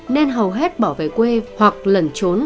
nên hầu hết bỏ về quê hoặc lẩn trốn